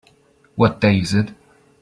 What day is it?